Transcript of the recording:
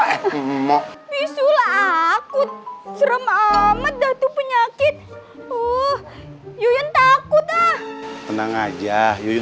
emok bisul akut serem amat datu penyakit uh yuyun takut ah tenang aja yuyun